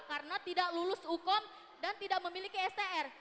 karena tidak lulus hukum dan tidak memiliki str